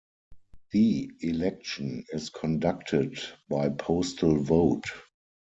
The election is conducted by postal vote.